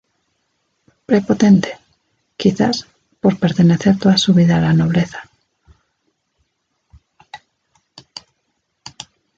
Prepotente, quizás, por pertenecer toda su vida a la nobleza.